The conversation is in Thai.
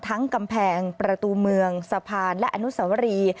กำแพงประตูเมืองสะพานและอนุสวรี